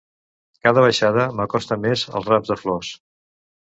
Cada baixada m'acosta més als rams de flors.